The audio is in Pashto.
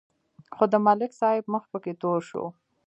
خو د ملک صاحب مخ پکې تور شو.